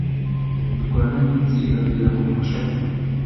Dukorana nk'itsinda kugirango dufashanye